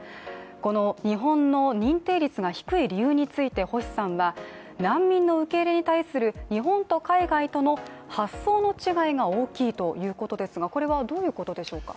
この日本の認定率が低い理由について星さんは難民の受け入れに対する日本と海外との発想の違いが大きいということですがこれはどういうことでしょうか？